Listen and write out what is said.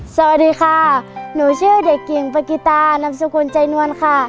สวัสดีค่ะหนูชื่อเด็กหญิงปะกิตานำสกุลใจนวลค่ะ